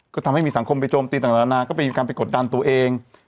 ก็ทำให้มีสังคมไปโจมติตลอดรณาก็มีการไปกดดันตัวเอง